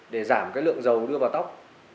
để giảm lượng dầu đưa vào tóc